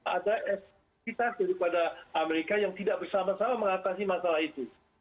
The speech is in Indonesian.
ada efektivitas daripada amerika yang tidak bersama sama mengatasi masalah itu